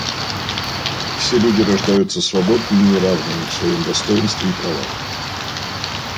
Все люди рождаются свободными и равными в своем достоинстве и правах.